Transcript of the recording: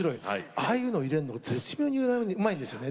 ああいうの入れるの絶妙にうまいんですよね。